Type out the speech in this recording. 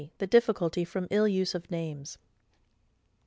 The Difficulty from ill Use of Names.